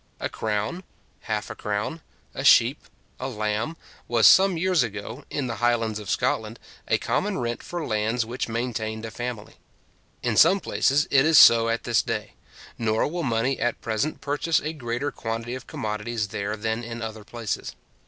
A crown, half a crown, a sheep, a lamb, was some years ago, in the Highlands of Scotland, a common rent for lands which maintained a family. In some places it is so at this day; nor will money at present purchase a greater quantity of commodities there than in other places.